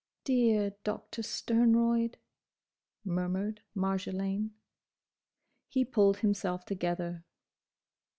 "Dear Doctor Sternroyd!" murmured Marjolaine. He pulled himself together.